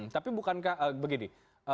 tapi bukankah begini